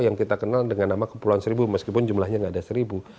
yang kita kenal dengan nama kepulauan seribu meskipun jumlahnya tidak ada seribu